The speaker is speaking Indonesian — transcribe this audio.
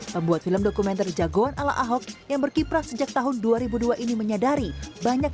pembuat film dokumenter jagoan ala ahok yang berkiprah sejak tahun dua ribu dua ini menyadari banyak